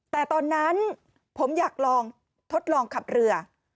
แต่ตอนนั้นผมอยากลองทดลองขับเรือ